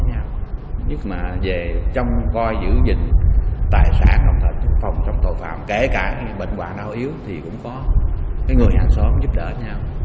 nhưng mà về trong coi giữ gìn tài sản phòng trong tội phạm kể cả bệnh quả nào yếu thì cũng có cái người hàng xóm giúp đỡ nhau